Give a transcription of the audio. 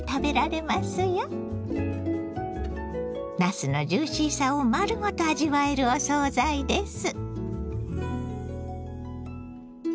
なすのジューシーさを丸ごと味わえるお総菜です。